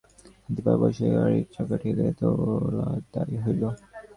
হাতির পা বসিয়া যায়, গাড়ির চাকা ঠেলিয়া তোলা দায় হইল।